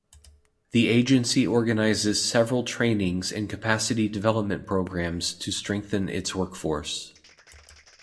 The agency organizes several trainings and capacity development programs to strengthen its workforce.